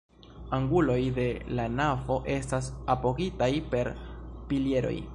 Anguloj de la navo estas apogitaj per pilieroj.